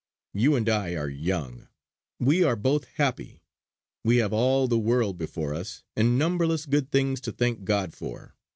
You and I are young; we are both happy; we have all the world before us, and numberless good things to thank God for.